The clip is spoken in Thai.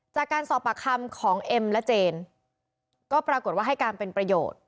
จากการสอบปากคำของเอ็มและเจนก็ปรากฏว่าให้การเป็นประโยชน์